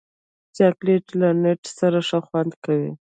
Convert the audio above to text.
چاکلېټ له نټ سره ښه خوند لري.